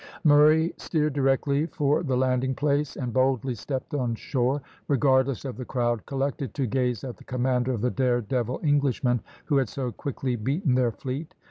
Murray steered directly for the landing place, and boldly stepped on shore, regardless of the crowd collected to gaze at the commander of the dare devil Englishmen, who had so quickly beaten their fleet.